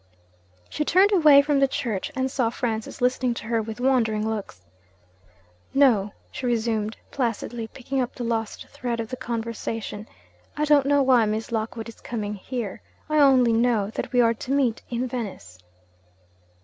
She turned away from the church, and saw Francis listening to her with wondering looks. 'No,' she resumed, placidly picking up the lost thread of the conversation, 'I don't know why Miss Lockwood is coming here, I only know that we are to meet in Venice.'